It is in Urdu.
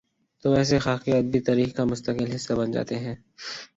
توایسے خاکے ادبی تاریخ کا مستقل حصہ بن جا تے ہیں۔